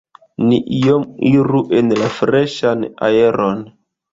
Ni iom iru en la freŝan aeron.